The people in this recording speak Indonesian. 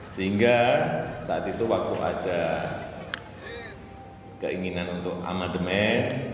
sehingga saat itu waktu ada keinginan untuk amandemen